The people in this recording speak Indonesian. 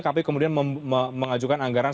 kpu kemudian mengajukan anggaran